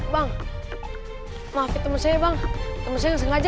bang maafin temen saya bang temen saya nggak sengaja